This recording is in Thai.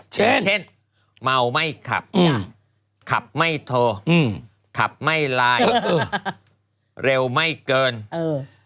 เช่นเช่นเมาไม่ขับจ้ะขับไม่โทรอืมขับไม่ไลน์เออเร็วไม่เกินเออ